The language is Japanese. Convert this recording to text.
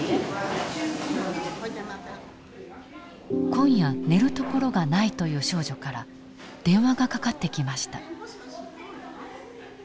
今夜寝る所がないという少女から電話がかかってきました。